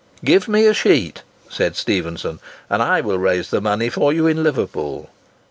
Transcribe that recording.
"Give me a sheet," said Stephenson, "and I will raise the money for you in Liverpool."